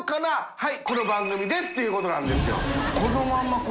はい。